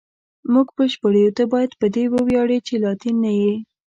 موږ بشپړ یو، ته باید په دې وویاړې چې لاتین نه یې.